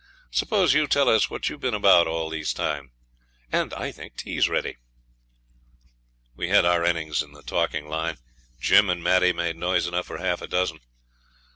Suppose you tell us what you've been about all this time. I think tea's ready.' We had our innings in the talking line; Jim and Maddie made noise enough for half a dozen.